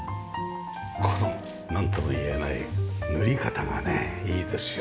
このなんともいえない塗り方がねいいですよね。